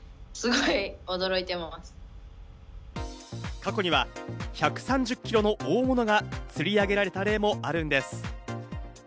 過去には１３０キロの大物が釣り上げられた例もあるんです。